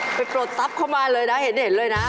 ปลดทรัพย์เข้ามาเลยนะเห็นเลยนะ